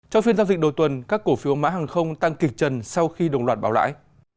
trong phiên giao dịch đầu tuần các cổ phiếu mã hàng không tăng kịch trần sau khi đồng loạt bảo lãi